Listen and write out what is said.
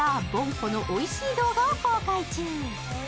このおいしい動画を公開中。